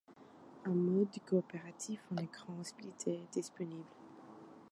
Un mode coopératif en écran splitté est disponible.